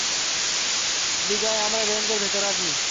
বিজয়, আমরা রেঞ্জের ভেতর আছি।